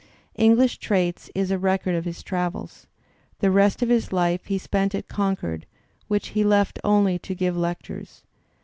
" English Traits " is a record of his travels. The rest of his life he spent at Concord, which he left only to give lectures.